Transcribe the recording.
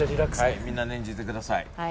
はいみんな念じてください。